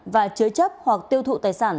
và chứa chấp hoặc tiêu thụ tài sản